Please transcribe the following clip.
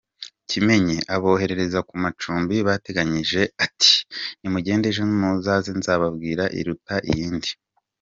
Kimenyi abohereza ku macumbi bateganyije ati “ Nimugende ejo muzaze nzababwira iruta iyindi.